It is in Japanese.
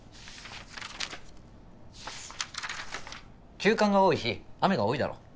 急患が多い日雨が多いだろ。